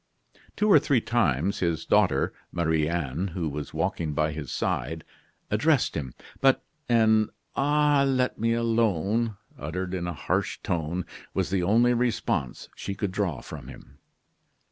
Two or three times his daughter, Marie Anne, who was walking by his side, addressed him; but an "Ah! let me alone!" uttered in a harsh tone, was the only response she could draw from him.